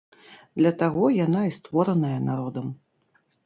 Для таго яна і створаная народам.